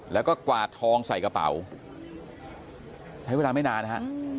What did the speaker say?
แล้วก็กวาดทองใส่กระเป๋าใช้เวลาไม่นานนะฮะ